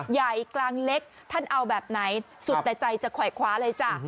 ใหญ่กลางเล็กท่านเอาแบบไหนสุดแต่ใจจะแขว้าเลยจ้ะ